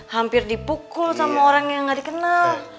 hampir dipukul sama orang yang gak dikenal